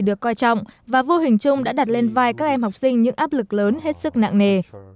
được coi trọng và vô hình chung đã đặt lên vai các em học sinh những áp lực lớn hết sức nặng nề